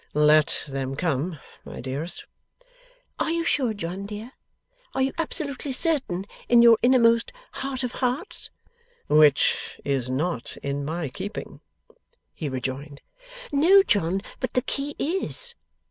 'Let them come, my dearest.' 'Are you sure, John dear; are you absolutely certain in your innermost heart of hearts ?' 'Which is not in my keeping,' he rejoined. 'No, John, but the key is.